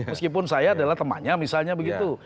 meskipun saya adalah temannya misalnya begitu